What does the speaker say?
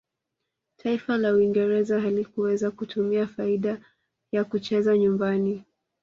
taifa la uingereza halikuweza kutumia faida ya kucheza nyumbani